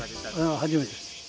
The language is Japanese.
初めてです。